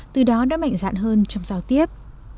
từ đó đã mạnh dạn hơn trong giao tiếp